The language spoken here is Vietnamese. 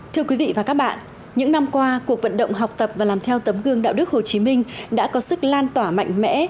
thưa quý vị và các bạn những năm qua cuộc vận động học tập và làm theo tấm gương đạo đức hồ chí minh đã có sức lan tỏa mạnh mẽ